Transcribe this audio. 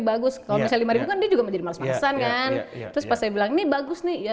bagus kalau misalnya lima ribu kan dia juga menjadi males malesan kan terus pas saya bilang ini bagus nih ya